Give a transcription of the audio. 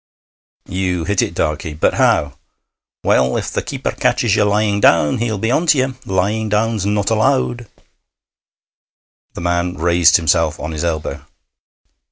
'You hit it, Darkey; but how?' 'Well, if the keeper catches ye lying down, he'll be on to ye. Lying down's not allowed.' The man raised himself on his elbow.